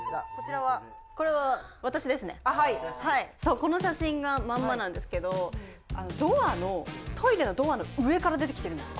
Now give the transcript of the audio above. この写真がまんまなんですけどドアのトイレのドアの上から出てきてるんですよ。